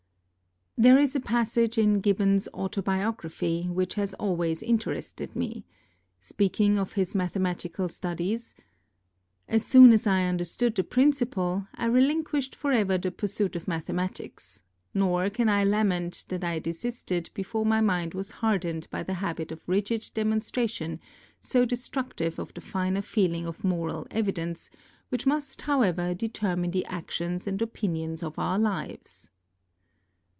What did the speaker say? There is a passage in Gibbon's Autobiography which 24 ON GRAVITATION has always interested me; speaking of his mathe matical studies, ' as soon as I understood the principle I relinquished for ever the pursuit of mathematics, nor can I lament that I desisted before my mind was hardened by the habit of rigid demonstration, so destructive of the finer feeling of moral evidence, which must however determine the actions and opinions of our lives